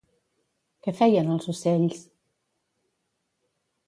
Què feien els ocells?